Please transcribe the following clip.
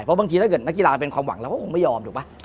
เพราะบางทีถ้าเกิดนักกีฬาเป็นความหวังเราก็คงไม่ยอมถูกป่ะ